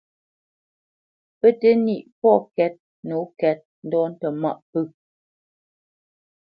Pə́ tə nîʼ pɔ̂ kɛ́t nǒ kɛ́t ndɔ̂ tə mâʼ pə̂.